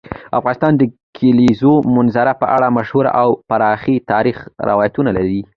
افغانستان د کلیزو منظره په اړه مشهور او پخواي تاریخی روایتونه لري.